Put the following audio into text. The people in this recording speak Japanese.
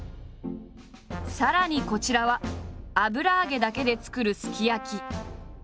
さらにこちらは油揚げだけで作るすき焼き。